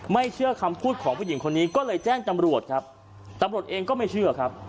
เชื่อคำพูดของผู้หญิงคนนี้ก็เลยแจ้งตำรวจครับตำรวจเองก็ไม่เชื่อครับ